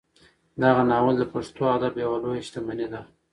دغه ناول د پښتو ادب یوه لویه شتمني ده.